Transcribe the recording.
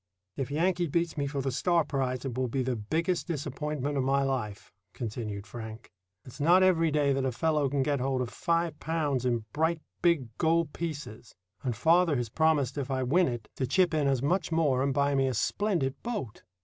"If Yankee beats me for the Starr prize, it will be the biggest disappointment of my life," continued Frank. "It's not every day that a fellow can get hold of five pounds in bright big gold pieces; and father has promised if I win it to chip in as much more and buy me a splendid boat."